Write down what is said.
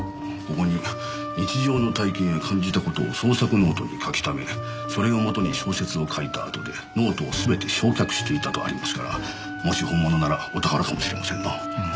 ここに「日常の体験や感じたことを創作ノートに書きためそれを元に小説を書いた後でノートをすべて焼却していた」とありますからもし本物ならお宝かもしれませんな。